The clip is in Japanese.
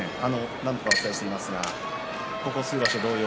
何度かお伝えしていますがここ数場所同様